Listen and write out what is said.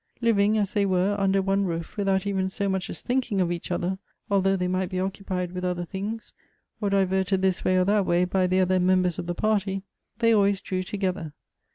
Living, as they were, under one roof, without even so much as thinking of each other, although they might be occupied with other things, or diverted this way or that way by the other members of the party, they always drew to gether.